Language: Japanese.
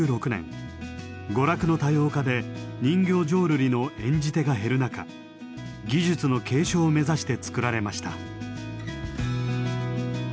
娯楽の多様化で人形浄瑠璃の演じ手が減る中技術の継承を目指して作られました。